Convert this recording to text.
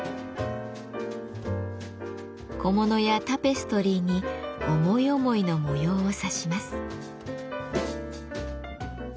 小物やタペストリーに思い思いの模様を刺します。